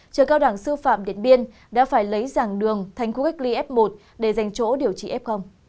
trường cao đẳng sư phạm điện biên đã phải lấy giảng đường thành khu cách ly f một để dành chỗ điều trị f